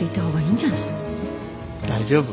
大丈夫。